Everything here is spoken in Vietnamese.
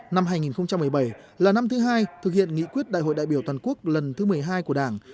năm hai nghìn một mươi bảy là năm thứ hai thực hiện nghị quyết đại hội đại biểu toàn quốc lần thứ một mươi hai của đảng